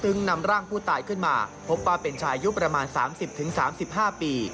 ซึ่งนำร่างผู้ตายขึ้นมาพบว่าเป็นชายอายุประมาณ๓๐๓๕ปี